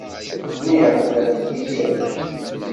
Nniɣ-d ssusem!